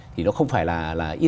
thì nó không phải là ít